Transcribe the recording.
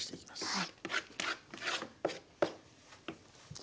はい。